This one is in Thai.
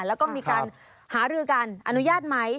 แล้วก็มีการหารือกันอนุญาตไหม